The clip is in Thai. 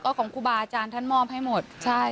ของครูบาอาจารย์ท่านมอบให้หมดใช่